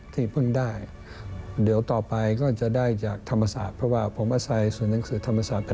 ซึ่งมีสอนไม่กี่แห่งในสหรัฐ